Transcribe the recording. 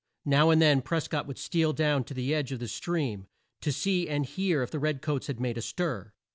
Now and then Pres cott would steal down to the edge of the stream, to see and hear if the red coats had made a stir.